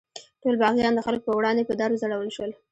ټول باغیان د خلکو په وړاندې په دار وځړول شول.